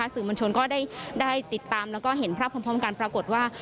สื่อมวลชนก็ได้ติดตามแล้วก็เห็นภาพพร้อมกันปรากฏว่า